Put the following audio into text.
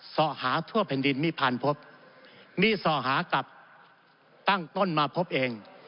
ส่อหาทั่วแผ่นดินมีพันพบมีส่อหากับตั้งต้นมาพบเอง